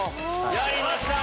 やりました！